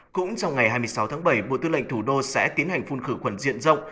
cũng trong ngày hai mươi sáu tháng bảy bộ tư lệnh thủ đô sẽ tiến hành phun khử khuẩn diện rộng